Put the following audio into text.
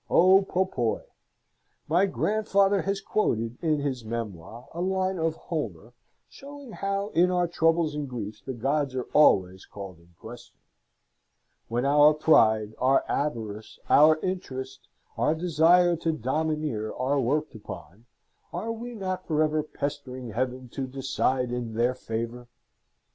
O popoi! My grandfather has quoted in his memoir a line of Homer, showing how in our troubles and griefs the gods are always called in question. When our pride, our avarice, our interest, our desire to domineer, are worked upon, are we not for ever pestering Heaven to decide in their favour?